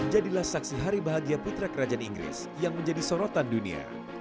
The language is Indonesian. jadilah saksi hari bahagia putra kerajaan inggris yang menjadi sorotan dunia